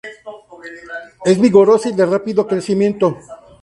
Es vigorosa y de rápido crecimiento.